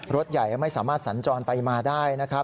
รถใหญ่ไม่สามารถสัญจรไปมาได้นะครับ